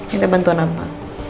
kita bantuan apa